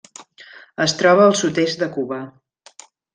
Es troba al sud-est de Cuba.